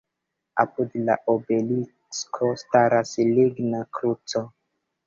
Apud la obelisko staras ligna kruco.